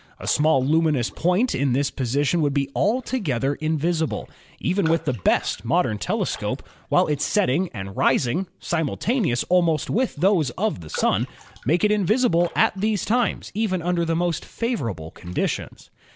A small lumi nous point in this position would be altogether invisible, even with the best modern telescope, while its setting and rising, simultaneous almost with those of the Sun, make it invisible at these times even under the most favor able conditions.